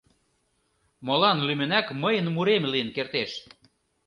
Молан лӱмынак мыйын мурем лийын кертеш?